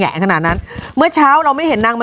โอ้ยครับ